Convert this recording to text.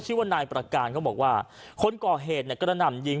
ชื่อว่านายประการเขาบอกว่าคนก่อเหตุเนี่ยกระหน่ำยิง